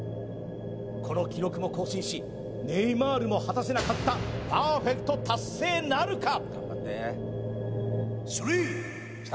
この記録も更新しネイマールも果たせなかったパーフェクト達成なるか？